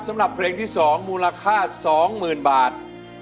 สำหรับเพลงที่๒มูลค่า๒๐๐๐บาท